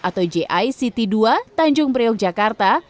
atau jict dua tanjung priok jakarta